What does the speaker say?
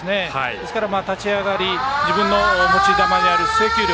ですから立ち上がり自分の持ち味である制球力